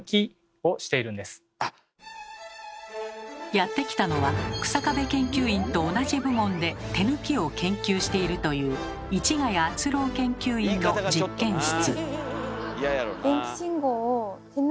やって来たのは日下部研究員と同じ部門で「手抜き」を研究しているという市ヶ谷敦郎研究員の実験室。